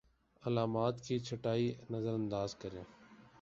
علامات کی چھٹائی نظرانداز کریں